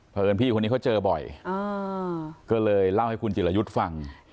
เพราะเอิญพี่คนนี้เขาเจอบ่อยก็เลยเล่าให้คุณจิรายุทธ์ฟัง